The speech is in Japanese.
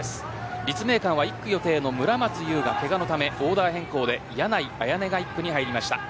立命館は村松結がけがのためオーダー変更で柳井綾音が１区に入りました。